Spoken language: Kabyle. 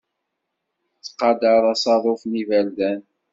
Ttqadar asaḍuf n yiberdan.